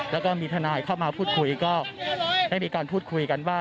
แล้วก็มีทนายเข้ามาพูดคุยก็ได้มีการพูดคุยกันว่า